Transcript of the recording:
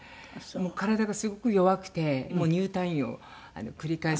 体がすごく弱くて入退院を繰り返すような。